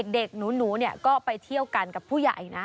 เด็กหนูก็ไปเที่ยวกันกับผู้ใหญ่นะ